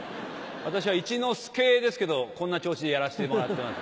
私は一之輔ですけどこんな調子でやらせてもらってます。